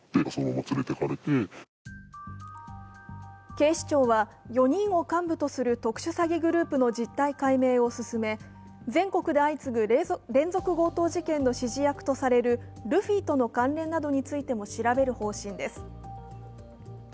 警視庁は４人を幹部とする特殊詐欺グループの実態解明を進め全国で相次ぐ連続強盗事件の指示役とされるルフィとの関連などについても調べる方針です。